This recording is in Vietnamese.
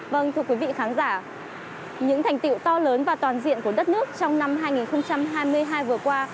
vâng thưa quý vị khán giả những thành tiệu to lớn và toàn diện của đất nước trong năm hai nghìn hai mươi hai vừa qua